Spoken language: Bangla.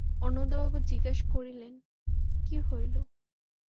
অন্নদাবাবু জিজ্ঞাসা করিলেন, কী হইল?